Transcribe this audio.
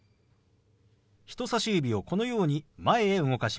人さし指をこのように前へ動かします。